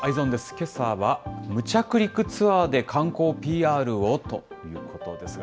けさは無着陸ツアーで観光ＰＲを！ということですが。